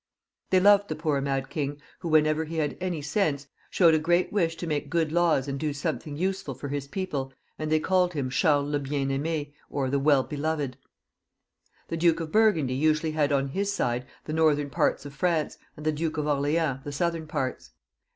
They loved the poor mad king, who, whenever he had any sense, showed a great wish to make good laws, and do something useful for his people, and they called him Charles le Bien Aim^ or the Well beloved. The Duke of Burgundy usually had on his side the northern parts of France, and the Duke of Orleans the southern parts.